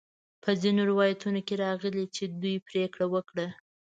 په ځینو روایتونو کې راغلي چې دوی پریکړه وکړه.